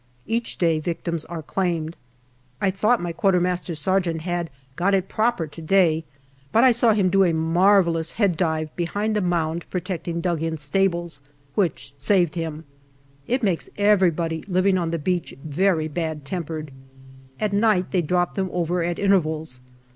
Each day victims are claimed. I thought my Q.M.S. had " got it proper " to day, but I saw him do a marvellous head dive behind a mound, protecting dug in stables, which saved him. It makes everybody living on the beach very bad tempered At night they drop them over at intervals.